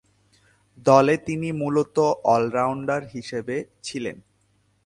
দলে তিনি মূলতঃ অল-রাউন্ডার হিসেবে ছিলেন।